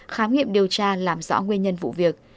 khám nghiệm điều tra làm rõ nguyên nhân vụ việc